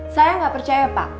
saya gak percaya pak